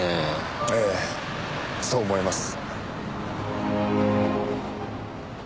ええそう思います。